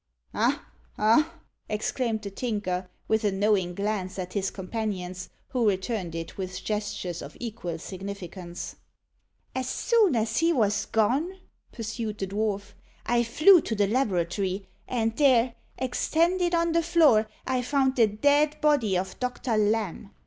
"Ah! ah!" exclaimed the Tinker, with a knowing glance at his companions, who returned it with gestures of equal significance. "As soon as he was gone," pursued the dwarf, "I flew to the laboratory, and there, extended on the floor, I found the dead body of Doctor Lamb.